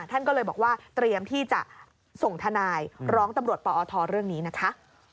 ท่านก็เลยบอกว่าเตรียมที่จะส่งทนายร้องตำรวจปอทเรื่องนี้นะคะ